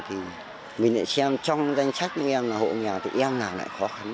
thì mình lại xem trong danh sách của em là hộ nghèo tụi em nào lại khó khăn